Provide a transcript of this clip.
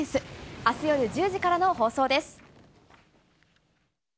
あす夜１０時からの放送です。